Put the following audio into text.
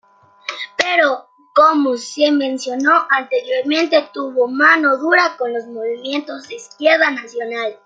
Pero como se mencionó anteriormente, tuvo mano dura con los movimientos de izquierda nacional.